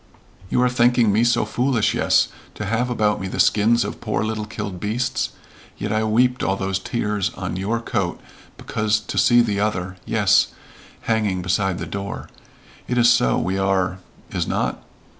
"You are thinking me so foolish, yes, to have about me the skins of poor little killed beasts? Yet I weeped all those tears on your coat because to see the other yes, hanging beside the door. It is so we are is not?"